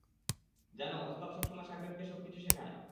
জানো, ওস্তাদ সবসময় সাগরেদকে সবকিছু শেখায়।